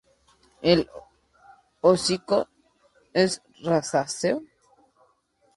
El hocico es rosáceo.